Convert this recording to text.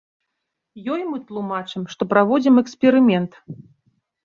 Ёй мы тлумачым, што праводзім эксперымент.